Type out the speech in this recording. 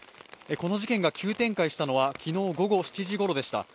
この事件が急展開したのは昨日午後７時ごろでした。